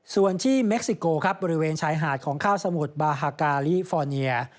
ส่วนที่เม็กซิโกครับบริเวณชายหาดของข้าวสมุทรบาฮากาลิฟอร์เนีย